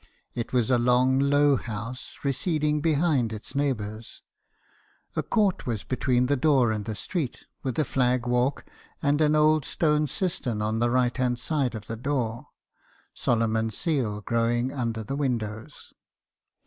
It was a long low house, receding behind its neighbours ; a court was between the door and the street , with a flag walk and an old stone cistern on the right hand side of the door; Solomon's seal growing under the win dows.